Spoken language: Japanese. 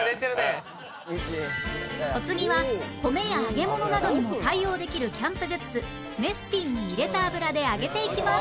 お次は米や揚げ物などにも対応できるキャンプグッズメスティンに入れた油で揚げていきます